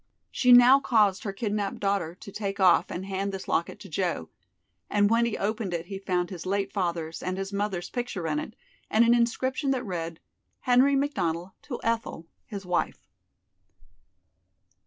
She now caused her kidnapped daughter to take off and hand this locket to Joe, and when he opened it he found his late father's and his mother's picture in it, and an inscription that read, "Henry McDonald to Ethel, his wife."